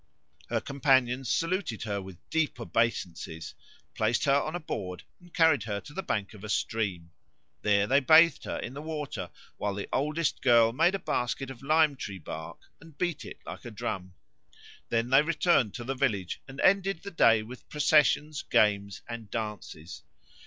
Her companions saluted her with deep obeisances, placed her on a board, and carried her to the bank of a stream. There they bathed her in the water, while the oldest girl made a basket of lime tree bark and beat it like a drum. Then they returned to the village and ended the day with processions, games, and dances.